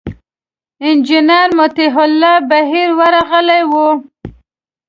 انجینر مطیع الله بهیر ورغلي و.